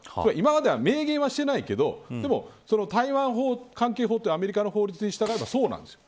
今までは、明言はしてないけどでも台湾関係法というアメリカの方法に従うとそうなんです。